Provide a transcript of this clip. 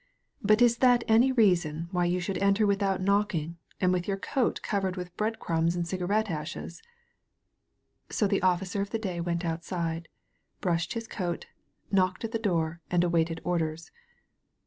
But is that any reason why you should enter without knocking, and with your coat covered with bread crumbs and cigarette ashes?" So the Officer of the Day went outside, brushed his coat, knocked at the door, and awaited orders.